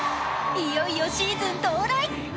いよいよシーズン到来。